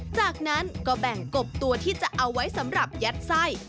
จากนั้นก็แบ่งกบตัวที่จะเอาไว้สำหรับยัดไส้